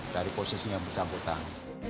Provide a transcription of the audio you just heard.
dari posisinya bersambutan